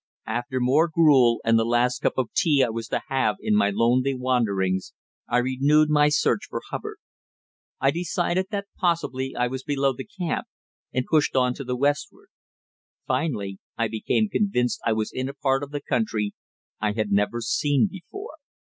After more gruel and the last cup of tea I was to have in my lonely wanderings, I renewed my search for Hubbard. I decided that possibly I was below the camp, and pushed on to the westward. Finally I became convinced I was in a part of the country I had never seen before.